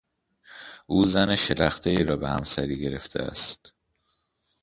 او زن شلختهای را به همسری گرفته است.